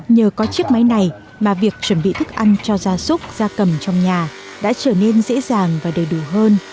nhờ có chiếc máy này mà việc chuẩn bị thức ăn cho gia súc gia cầm trong nhà đã trở nên dễ dàng và đầy đủ hơn